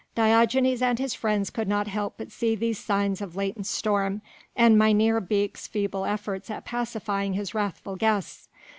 Diogenes and his friends could not help but see these signs of latent storm, and Mynheer Beek's feeble efforts at pacifying his wrathful guests.